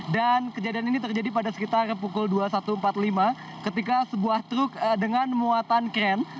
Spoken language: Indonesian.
dan kejadian ini terjadi pada sekitar pukul dua puluh satu empat puluh lima ketika sebuah truk dengan muatan kren